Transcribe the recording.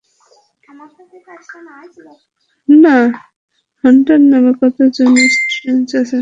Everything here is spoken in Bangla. হান্টার নামের কতজন স্টুডেন্ট আছে আপনার?